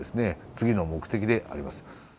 次の目的であります。